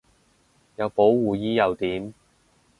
有保護衣又點